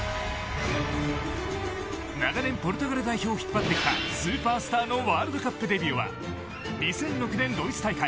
長年ポルトガル代表を引っ張ってきたスーパースターのワールドカップデビューは２００６年ドイツ大会。